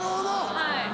はい。